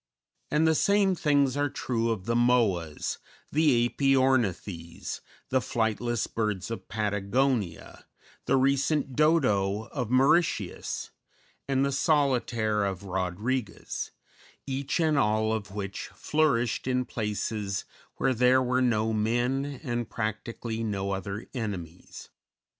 And the same things are true of the Moas, the Æpyornithes, the flightless birds of Patagonia, the recent dodo of Mauritius and the solitaire of Rodriguez, each and all of which flourished in places where there were no men and practically no other enemies.